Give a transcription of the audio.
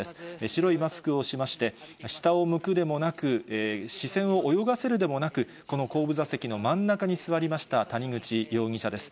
白いマスクをしまして、下を向くでもなく、視線を泳がせるでもなく、この後部座席の真ん中に座りました、谷口容疑者です。